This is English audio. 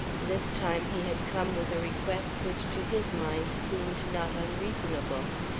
This time he had come with a request which to his mind seemed not unreasonable.